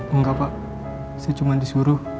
enggak pak saya cuma disuruh